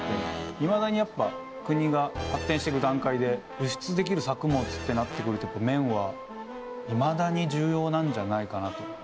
いまだにやっぱ国が発展してく段階で輸出できる作物ってなってくると綿はいまだに重要なんじゃないかなと。